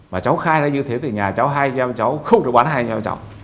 mà cháu khai ra như thế thì nhà cháu hai anh em cháu không được bán hai anh em cháu